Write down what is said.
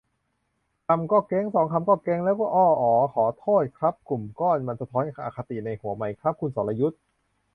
คำก็ 'แก๊ง' สองคำก็ 'แก๊ง' แล้วก็ อ้อ ขอโทษครับ 'กลุ่มก้อน' มันสะท้อนอคติในหัวไหมครับ คุณสรยุทธ์